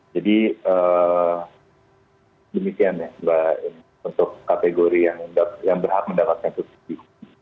jadi demikian ya untuk kategori yang berhak mendapatkan subsidi